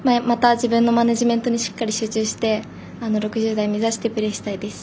自分のマネジメントにしっかり集中して６０台目指してプレーしたいです。